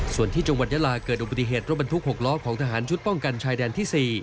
ส่วนที่จังหวัดยาลาเกิดอุบัติเหตุรถบรรทุก๖ล้อของทหารชุดป้องกันชายแดนที่๔